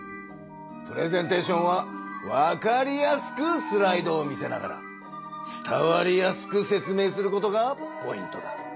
プレゼンテーションはわかりやすくスライドを見せながら伝わりやすく説明することがポイントだ。